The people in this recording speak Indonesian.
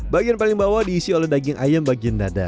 bagian paling bawah diisi oleh daging ayam bagian dada